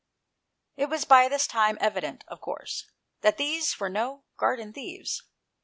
It was by this time evident, of course, that these were no garden thieves.